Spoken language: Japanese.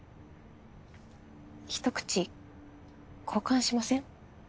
一口交換しません？